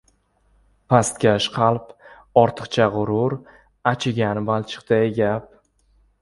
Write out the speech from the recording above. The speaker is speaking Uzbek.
Pastkash qalb, ortiqcha g‘urur — achigan balchiqday gap.